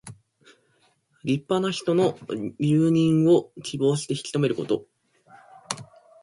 立派な人の留任を希望して引き留めること。